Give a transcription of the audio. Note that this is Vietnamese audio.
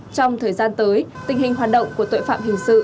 trong thời gian tới tình hình hoạt động của tội phạm hình sự